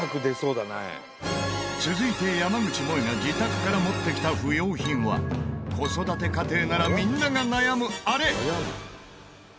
続いて山口もえが自宅から持ってきた不要品は子育て家庭ならみんなが悩むあれ！